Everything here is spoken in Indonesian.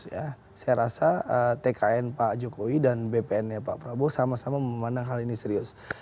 saya rasa tkn pak jokowi dan bpn nya pak prabowo sama sama memandang hal ini serius